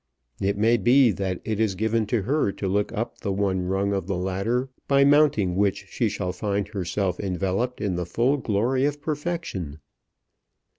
It may be that it is given to her to look up the one rung of the ladder by mounting which she shall find herself enveloped in the full glory of perfection."